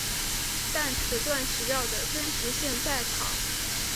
但此段史料的真实性待考。